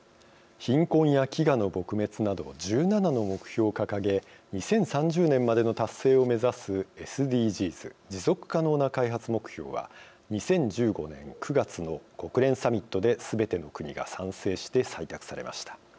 貧困や飢餓の撲滅など１７の目標を掲げ２０３０年までの達成を目指すＳＤＧｓ持続可能な開発目標は２０１５年９月の国連サミットですべての国が賛成して採択されました。